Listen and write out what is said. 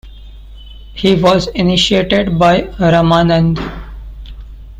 He was initiated by Ramananda.